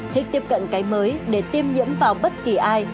thích tiếp cận cái mới để tiêm nhiễm vào bất kỳ ai